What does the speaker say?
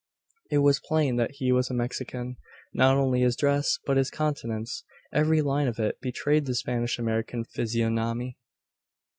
It was plain that he was a Mexican. Not only his dress but his countenance every line of it betrayed the Spanish American physiognomy.